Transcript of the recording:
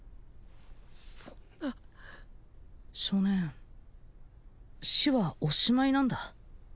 そんな少年死はおしまいなんだ